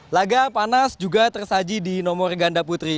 laga panas juga tersaji di nomor ganda putri